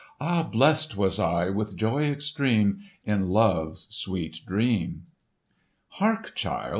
Ah, blest was I with joy extreme In Love's sweet dream!" "Hark, child!"